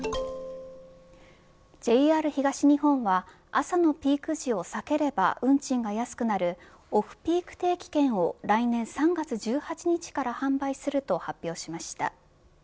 ＪＲ東日本は朝のピーク時を避ければ運賃が安くなるオフピーク定期券を来年３月１８日から販売すると発表しました。